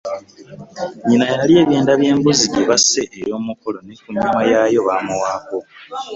Nnyina y’alya ebyenda by’embuzi gye basse ey’omukolo ne ku nnyama yaayo bamuwaako.